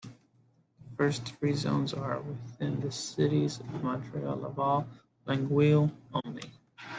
The first three zones are within the cities of Montreal, Laval and Longueuil only.